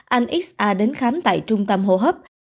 anh xa đến khám tại trung tâm hô hấp